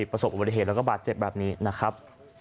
ประสบอุบัติเหตุแล้วก็บาดเจ็บแบบนี้นะครับ